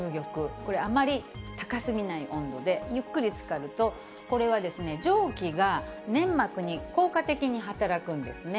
これ、あまり高すぎない温度で、ゆっくりつかると、これはですね、蒸気が粘膜に効果的に働くんですね。